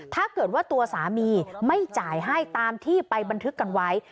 ถ้าเกิดว่าตัวสามีไม่จ่ายให้ตามที่ไปบันทึกกันไว้